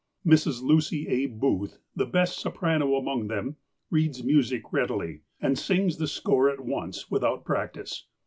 Mrs. Lucy A. Booth, the best soprano amoug them, reads music readily, and sings the score at once without practice.